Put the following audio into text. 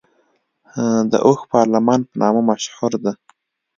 د اوږد پارلمان په نامه مشهوره ده.